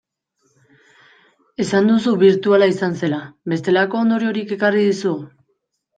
Esan duzu birtuala izan zela, bestelako ondoriorik ekarri dizu?